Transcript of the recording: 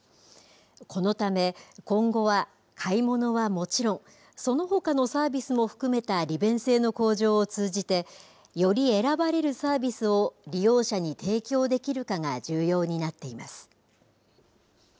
このため、今後は買い物はもちろん、そのほかのサービスも含めた利便性の向上を通じて、より選ばれるサービスを、利用者に提供できるかが重要になっています。